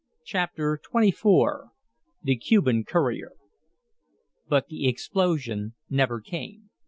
CHAPTER XXIV. THE CUBAN COURIER. But the explosion never came.